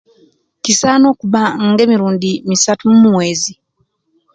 Kisana okuba nga emirundi misatu omwezi